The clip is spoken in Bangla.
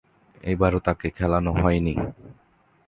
এবারও তাকে খেলানো হয়নি।